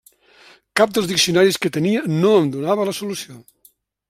Cap dels diccionaris que tenia no em donava la solució.